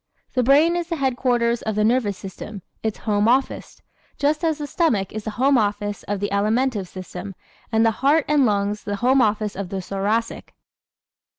The brain is the headquarters of the nervous system its "home office" just as the stomach is the home office of the Alimentive system and the heart and lungs the home office of the Thoracic.